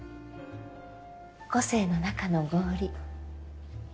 個性の中の合理。